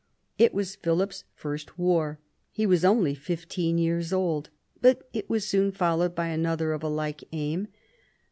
It was Philip's first war. He was only fifteen years old, but it was soon followed by another of a like aim.